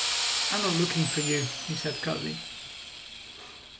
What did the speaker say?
"I am not looking for you," he said curtly.